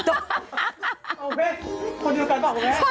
โอ้เฮ่ยคนเดียวกันป่ะแม่